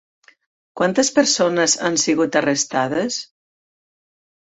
Quantes persones han sigut arrestades?